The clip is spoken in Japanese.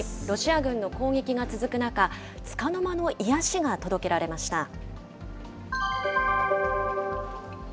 ロシア軍の攻撃が続く中、つかの間の癒やしが届けられました。